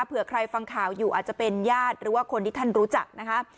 เผื่อใครฟังข่าวอยู่อาจจะเป็นญาติหรือว่าคนที่ท่านรู้จักนะคะ